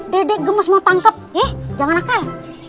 dedek gemes mau tangkap ya jangan akal dua belas